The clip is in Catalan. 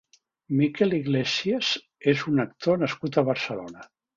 Mikel Iglesias és un actor nascut a Barcelona.